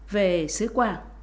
về xứ quả